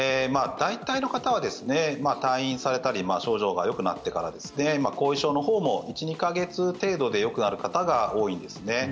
大体の方はですね、退院されたり症状がよくなってから後遺症のほうも１２か月程度でよくなる方が多いんですね。